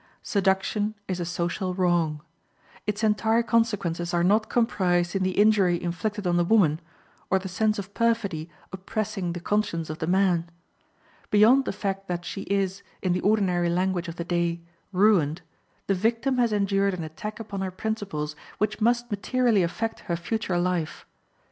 Seduction is a social wrong. Its entire consequences are not comprised in the injury inflicted on the woman, or the sense of perfidy oppressing the conscience of the man. Beyond the fact that she is, in the ordinary language of the day, ruined, the victim has endured an attack upon her principles which must materially affect her future life.